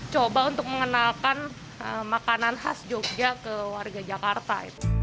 coba untuk mengenalkan makanan khas jogja ke warga jakarta